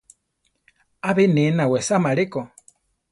Abe ne nawesama areko.